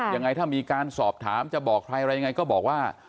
ยังไงถ้ามีการสอบถามจะบอกใครอะไรยังไงก็บอกว่า